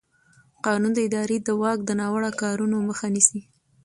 قانون د ادارې د واک د ناوړه کارونې مخه نیسي.